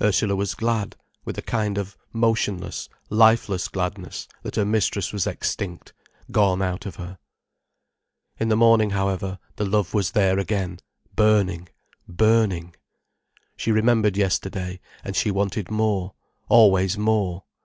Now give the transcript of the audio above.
Ursula was glad, with a kind of motionless, lifeless gladness, that her mistress was extinct, gone out of her. In the morning, however, the love was there again, burning, burning. She remembered yesterday, and she wanted more, always more.